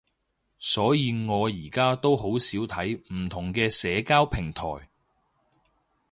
所以我而家都好少睇唔同嘅社交平台